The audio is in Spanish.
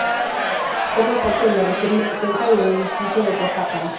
Forma parte de la Región Mixteca y del Distrito de Huajuapan.